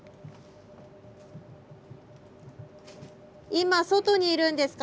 今外にいるんですか？